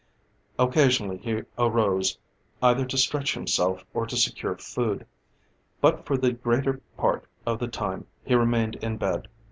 Occasionally he arose, either to stretch himself, or to secure food, but for the greater part of the time he remained in bed.